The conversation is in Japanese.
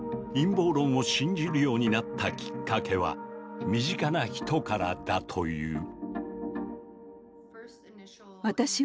陰謀論を信じるようになったきっかけは身近な人からだという。